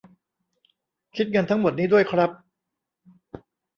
คิดเงินทั้งหมดนี้ด้วยครับ